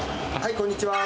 こんにちは